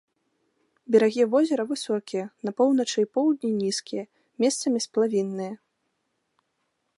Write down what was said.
Берагі возера высокія, на поўначы і поўдні нізкія, месцамі сплавінныя.